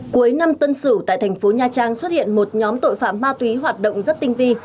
cuối năm tân sửu tại thành phố nha trang xuất hiện một nhóm tội phạm ma túy hoạt động rất tinh vi